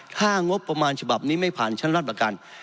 ถ้างบประมาณฉบับนี้ไม่ผ่านชั้นรับประการ